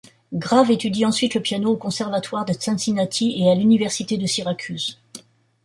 Graves étudie ensuite le piano au conservatoire de Cincinnati et à l’Université de Syracuse.